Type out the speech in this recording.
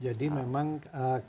jadi memang kami